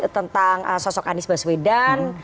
tentang sosok anis baswedan